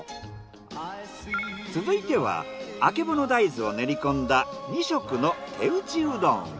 続いてはあけぼの大豆を練りこんだ２色の手打ちうどんを。